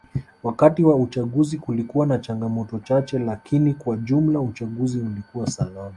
Wakati wa uchaguzi kulikuwa na changamoto chache lakini kwa jumla uchaguzi ulikuwa salama